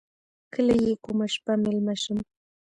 کله یې کومه شپه میلمه شم.